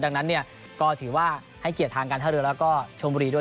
ดังนั้นก็ถือว่าให้เกียรติทางการท่าเรือแล้วก็ชมบุรีด้วย